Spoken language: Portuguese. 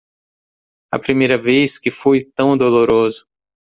A primeira vez que fui tão doloroso